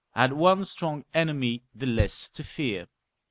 had one strong enemy the less to fear.